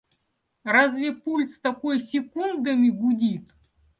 Разве пульс такой секундами гудит?!